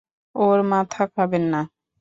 ওর মাথা খাবেন না।